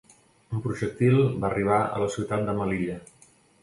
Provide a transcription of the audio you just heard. Un projectil va arribar a la ciutat de Melilla.